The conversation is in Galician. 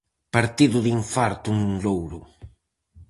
Partido de infarto en Louro.